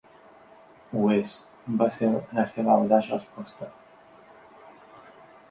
Ho és, va ser la seva audaç resposta.